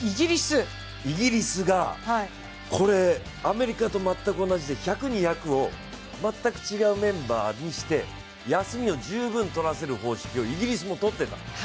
イギリスがこれ、アメリカと全く同じで１００、２００を全く違うメンバーにして休みを十分取らせる方式をイギリスも取ってたの。